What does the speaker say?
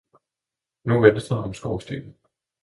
nu venstre om skorstenen!